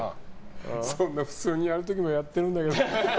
そんな普通にやる時もやっているんだよ。